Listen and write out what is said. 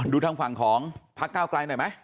ดูทางฝั่งของพักเก้าไกลหน่อยไหม